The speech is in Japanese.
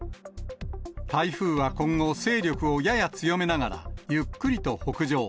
台風は今後、勢力をやや強めながら、ゆっくりと北上。